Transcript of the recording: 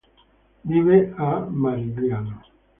Vive a Marigliano.